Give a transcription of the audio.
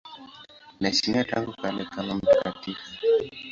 Anaheshimiwa tangu kale kama mtakatifu.